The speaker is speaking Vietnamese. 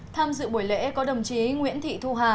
tham dự buổi lễ có đồng chí nguyễn thị thu hà